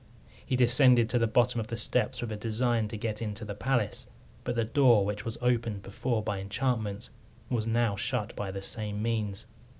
He descended to the bottom of the steps, with a design to get into the palace, but the door, which was opened before by enchantment, was now shut by the same means.